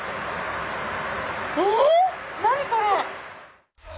えっ何これ？